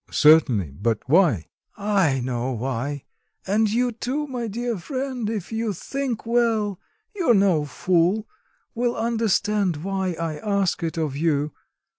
"Certainly. But why?" "I know why. And you too, my dear friend, if you think well, you're no fool will understand why I ask it of you.